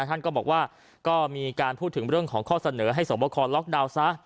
ท่านก็บอกว่าก็มีการพูดถึงเรื่องของข้อเสนอให้สวบคอล็อกดาวน์ซะ